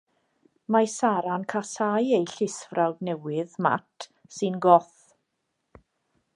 Mae Sara'n casáu ei llysfrawd newydd, Mat, sy'n Goth.